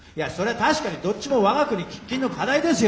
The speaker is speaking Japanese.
確かにどっちも我が国喫緊の課題ですよ。